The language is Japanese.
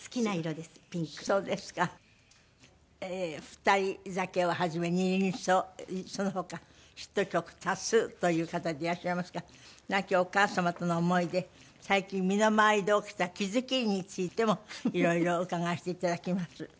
『ふたり酒』をはじめ『二輪草』その他ヒット曲多数という方でいらっしゃいますが亡きお母様との思い出最近身の回りで起きた気付きについてもいろいろ伺わせていただきます。